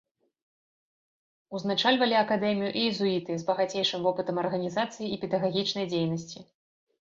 Узначальвалі акадэмію езуіты з багацейшым вопытам арганізацыйнай і педагагічнай дзейнасці.